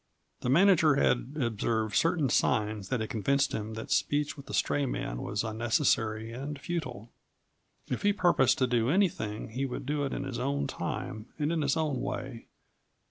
The manager had observed certain signs that had convinced him that speech with the stray man was unnecessary and futile. If he purposed to do anything he would do it in his own time and in his own way.